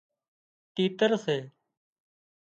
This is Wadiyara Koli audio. تيتر سي